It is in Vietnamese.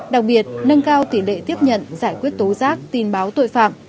đặc biệt nâng cao tỷ lệ tiếp nhận giải quyết tố giác tin báo tội phạm